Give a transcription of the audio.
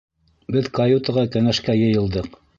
Беҙ каютаға кәңәшкә йыйылдыҡ.